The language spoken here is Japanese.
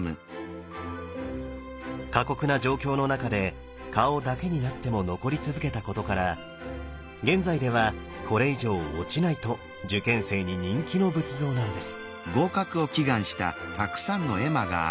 過酷な状況の中で顔だけになっても残り続けたことから現在ではこれ以上落ちないと受験生に人気の仏像なんです